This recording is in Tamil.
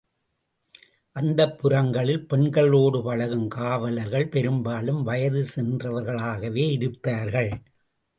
அந்தப் புரங்களில் பெண்களோடு பழகும் காவலர்கள் பெரும்பாலும் வயது சென்றவர்களாகவே இருப்பார்கள்.